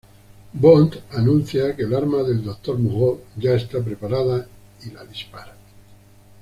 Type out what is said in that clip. Bond anuncia que el arma del Dr. Moreau ya está preparada, y la dispara.